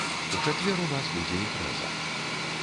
У чацвер у нас будзе імпрэза.